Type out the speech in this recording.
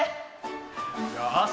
よし！